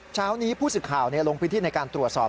เช้านี้ผู้สึกข่าวลงพื้นที่ในการตรวจสอบ